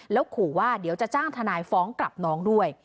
แล้วขู่ว่าเดี๋ยวจะจ้างทนายฟ้องกลับน้องด้วย